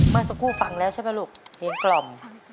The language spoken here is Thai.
เมื่อสักครู่ฟังแล้วใช่ไหมลูกเพลงกล่อม